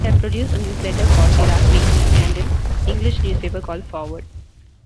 They have produced a newsletter called "Iraq Weekly"' and an English newspaper called "Forward".